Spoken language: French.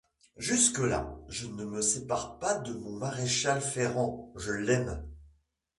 Jusque-là, je ne me sépare pas de mon maréchal ferrant : je l'aime !